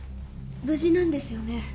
無事なんですよね？